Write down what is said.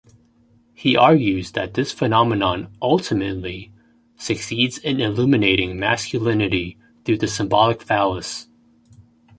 He argues that this phenomenon ultimately succeeds in illuminating masculinity through the "symbolic phallus".